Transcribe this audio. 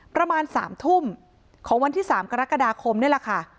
ประมาณ๓ทุ่มของวันที่๓กรกฎาคมนี่แหละค่ะ